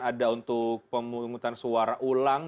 ada untuk pemungutan suara ulang